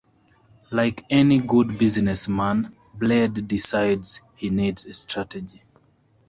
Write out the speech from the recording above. Like any good businessman, Blade decides he needs a strategy.